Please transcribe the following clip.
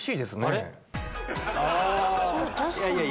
確かに。